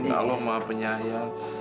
ya allah maaf penyayang